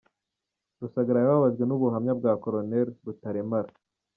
Rusagara yababajwe n’ubuhamya bwa Col Rutaremara